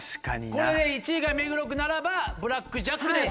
これで１位が目黒区ならばブラックジャックです。